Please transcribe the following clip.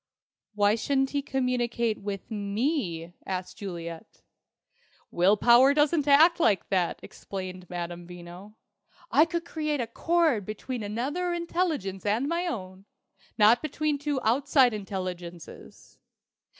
"Why shouldn't he communicate with me?" asked Juliet. "Will power doesn't act like that," exclaimed Madame Veno. "I could create a cord between another intelligence and my own, not between two outside intelligences.